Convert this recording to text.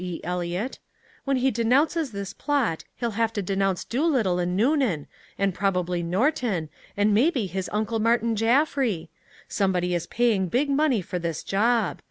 Eliot, "when he denounces this plot he'll have to denounce Doolittle and Noonan, and probably Norton, and maybe his Uncle Martin Jaffry. Somebody is paying big money for this job!